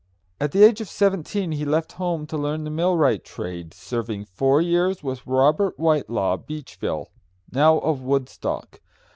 At the age of seventeen he left home to learn the millwright trade, serving four years with Robert Whitelaw, Beachville (now of Woodstock).